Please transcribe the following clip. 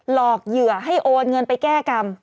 หลอกเหยื่อให้โอนเงินไปแก้กรรม